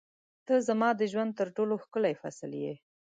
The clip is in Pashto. • ته زما د ژوند تر ټولو ښکلی فصل یې.